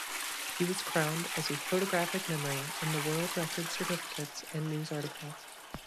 He was crowned as "photographic memory" in the world record certificates and news articles.